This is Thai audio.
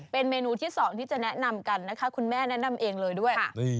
เป็นเมนูที่๒ที่จะแนะนำกันนะคะคุณแม่แนะนำเองเลยด้วย